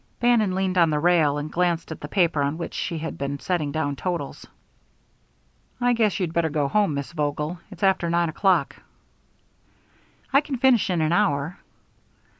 Bannon leaned on the rail and glanced at the paper on which she had been setting down totals. "I guess you'd better go home, Miss Vogel. It's after nine o'clock." "I can finish in an hour."